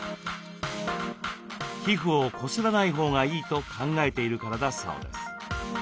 皮膚をこすらないほうがいいと考えているからだそうです。